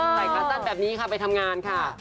ขาสั้นแบบนี้ค่ะไปทำงานค่ะ